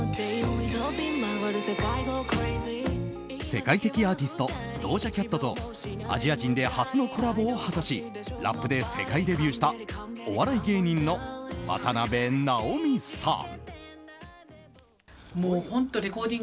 世界的アーティストドージャ・キャットとアジア人で初のコラボを果たしラップで世界デビューしたお笑い芸人の渡辺直美さん。